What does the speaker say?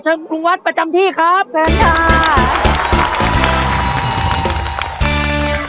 เชิญลุงวัดประจำที่ครับขอบคุณค่ะ